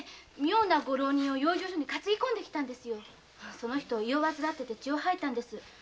その人胃を患っていて血を吐いたんです。